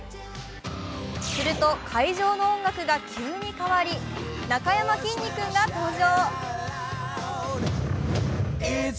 すると会場の音楽が急に変わりなかやまきんに君が登場。